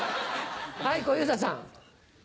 はい小遊三さん。